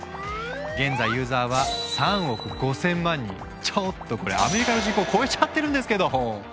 現在ユーザーはちょっとこれアメリカの人口超えちゃってるんですけど！